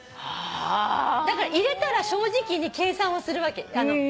だから入れたら正直に計算をするわけ。